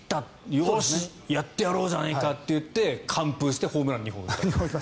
よし、やってやろうじゃないかって言って完封してホームランを２本打ったと。